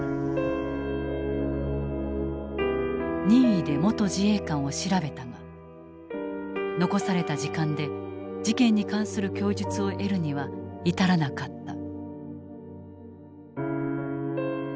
任意で元自衛官を調べたが残された時間で事件に関する供述を得るには至らなかった。